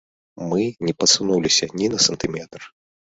Мы не пасунуліся ні на сантыметр.